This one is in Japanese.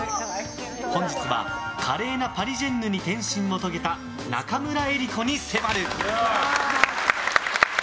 本日は華麗なパリジェンヌに転身を遂げた中村江里子に迫る！